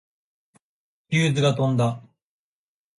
ヒューズが飛んだ。